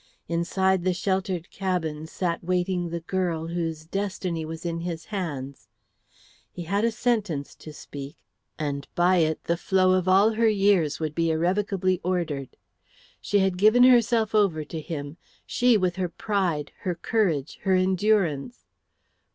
Inside the sheltered cabin sat waiting the girl, whose destiny was in his hands. He had a sentence to speak, and by it the flow of all her years would be irrevocably ordered. She had given herself over to him, she, with her pride, her courage, her endurance.